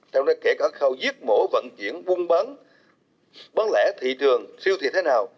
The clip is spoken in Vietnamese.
sau đó kể cả khâu giết mổ vận chuyển vun bắn bán lẻ thị trường siêu thịa thế nào